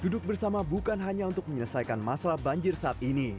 duduk bersama bukan hanya untuk menyelesaikan masalah banjir saat ini